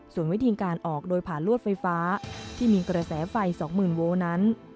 ส่วนวิธีการออกโดยผ่านลวดไฟฟ้าที่มีกระแสไฟ๒๐๐๐โวลนั้น